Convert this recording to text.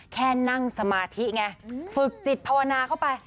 แค่นั่งสมาธิไงฝึกจิตภาวนาเข้าไป